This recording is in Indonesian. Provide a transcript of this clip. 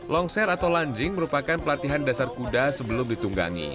long share atau lunging merupakan pelatihan dasar kuda sebelum ditunggangi